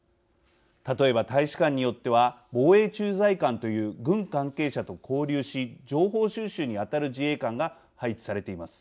例えば大使館によっては防衛駐在官という軍関係者と交流し情報収集に当たる自衛官が配置されています。